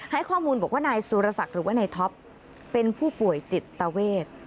ให้ข้อมูลบอกว่านายสุรศักดิ์หรือว่านายท็อปเป็นผู้ป่วยจิตเวท